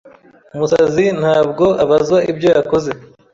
Umusazi ntabwo abazwa ibyo yakoze.